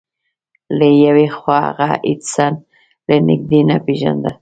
له يوې خوا هغه ايډېسن له نږدې نه پېژانده.